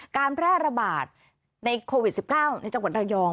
การแพร่ระบาดในโควิด๑๙ในจังหวัดระยอง